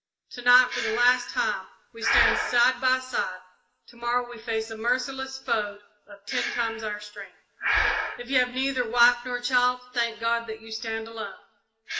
To night, for the last time, we stand side by side to morrow we fight a merciless foe of ten times our strength! "If you have neither wife nor child, thank God that you stand alone.